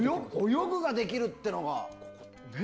泳ぐができるってのがね。